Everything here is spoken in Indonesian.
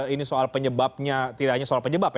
ini soal penyebabnya tidak hanya soal penyebab ya